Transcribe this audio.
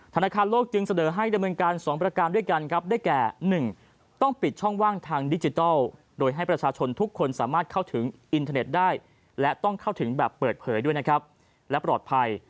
ธนาคารโลกจึงเสนอให้ดำเนินการ๒ประการด้วยกันครับได้แก่๑ต้องปิดช่องว่างทางดิจิทัลโดยให้ประชาชนทุกคนสามารถเข้าถึงอินเทอร์เน็ตได้และต้องเข้าถึงแบบเปิดเผยด้วยนะครับและปลอดภัย